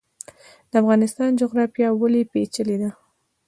د افغانستان جغرافیا ولې پیچلې ده؟